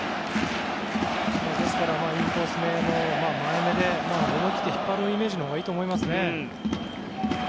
インコースめの前めで思い切って引っ張るイメージのほうがいいと思いますね。